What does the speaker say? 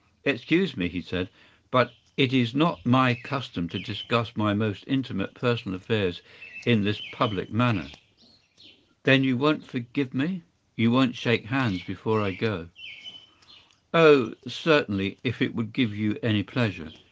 “Excuse me,” he said, “but it is not my custom to discuss my most intimate personal affairs in this public manner.” “Then you won’t forgive me? You won’t shake hands before I go?” “Oh, certainly, if it would give you any pleasure.